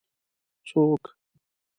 څوک